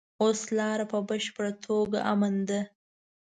اوس لاره په بشپړه توګه امن ده.